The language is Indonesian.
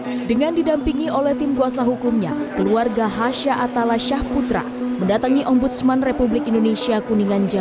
karena dianggap korban tewas karena kelalaiannya sendiri